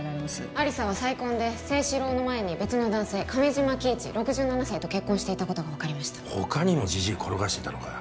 亜理紗は再婚で征四郎の前に別の男性亀島喜一６７歳と結婚していたことが分かりましたほかにもジジイ転がしてたのかよ